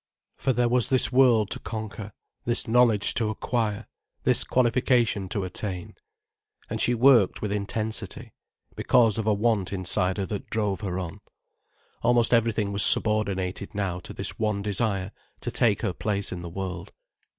For there was this world to conquer, this knowledge to acquire, this qualification to attain. And she worked with intensity, because of a want inside her that drove her on. Almost everything was subordinated now to this one desire to take her place in the world.